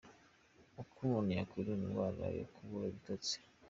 Uko umuntu yakwirinda indwara yo kubura ibitotsi